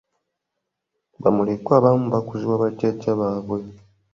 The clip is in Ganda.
Bamulekwa abamu bakuzibwa bajjajja baabwe.